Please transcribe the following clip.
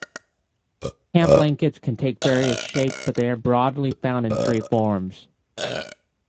Camp blankets can take various shapes but they are broadly found in three forms.